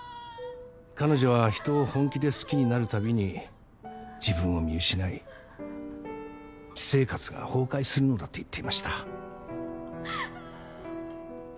彼女は人を本気で好きになるたびに自分を見失い私生活が崩壊するのだと言っていました。